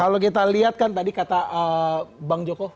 kalau kita lihat kan tadi kata bang joko